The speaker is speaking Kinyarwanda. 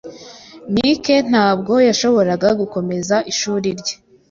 Mike ntabwo yashoboraga gukomeza ishuri rye